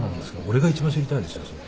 俺が一番知りたいですよ。